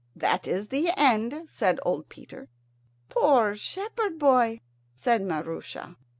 "That is the end," said old Peter. "Poor shepherd boy!" said Maroosia.